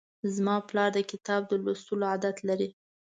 زما پلار د کتاب د لوستلو عادت لري.